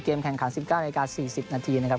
แข่งขัน๑๙นาที๔๐นาทีนะครับ